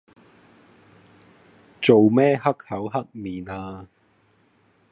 做咩黑口黑面呀？